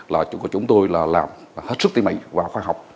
là chúng tôi làm hết sức tỉ mệnh và khoa học